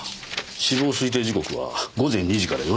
死亡推定時刻は午前２時から４時の間です。